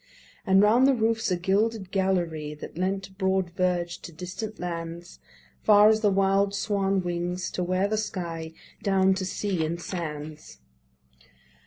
And round the roofs a gilded gallery That lent broad verge to distant lands, Far as the wild swan wings, to where the sky Dipt down to sea and sands.